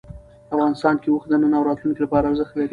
افغانستان کې اوښ د نن او راتلونکي لپاره ارزښت لري.